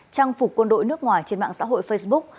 trang phục quân đội nước ngoài trên mạng xã hội facebook